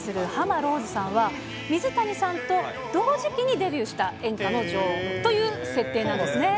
ローズさんは、水谷さんと同時期にデビューした、演歌の女王という設定なんですね。